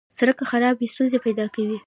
سړک که خراب وي، ستونزې پیدا کوي.